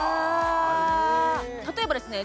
例えばですね